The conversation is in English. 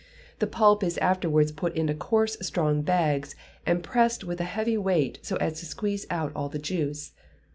The pulp is afterwards put into coarse strong bags, and pressed with a heavy weight so as to squeeze out all the juice.